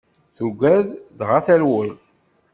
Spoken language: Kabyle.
Tugad dɣa terwel.